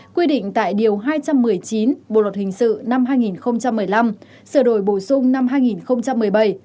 quy định tại điều hai trăm một mươi chín bộ luật hình sự năm hai nghìn một mươi năm sửa đổi bổ sung năm hai nghìn một mươi bảy